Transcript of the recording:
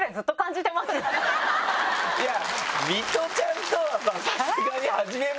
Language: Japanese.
いやミトちゃんとはさ。